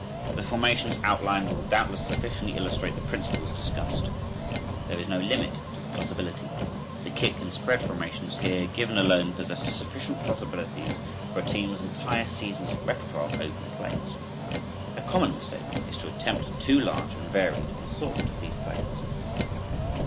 The formations outlined will doubtless sufficiently illustrate the principles discussed. There is no limit to the possibilities. The kick and spread formations here given alone possess sufficient possibilities for a team's entire season's repertoire of open plays. A common mistake is to attempt too large and varied an assortment of these plays.